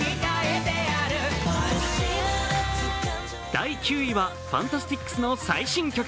第９位はＦＡＮＴＡＳＴＩＣＳの最新曲。